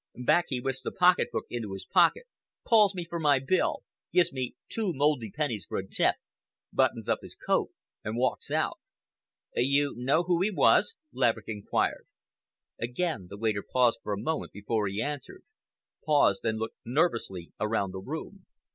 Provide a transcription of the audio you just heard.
Back he whisks the pocket book into his pocket, calls me for my bill, gives me two mouldy pennies for a tip, buttons up his coat and walks out." "You know who he was?" Laverick inquired. Again the waiter paused for a moment before he answered—paused and looked nervously around the room.